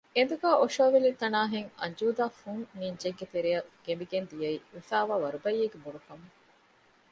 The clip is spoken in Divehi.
އެނދުގައި އޮށޯވެލި ތަނާހެން އަންޖޫދާ ފުން ނިންޖެއްގެ ތެރެއަށް ގެނބިގެން ދިއައީ ވެފައިވާ ވަރުބައްޔެއްގެ ބޮޑުކަމުން